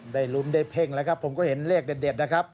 ได้ลุ้นได้เพ่งแล้วครับผมก็เห็นเลขเด็ดนะครับ